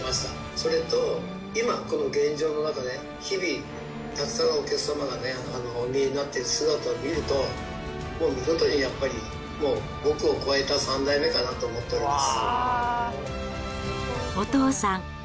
それと今、この現状の中で、日々、たくさんのお客様がお見えになっている姿を見ると、もう二度とやっぱり、僕を超えた３代目かなと思っております。